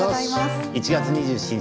１月２７日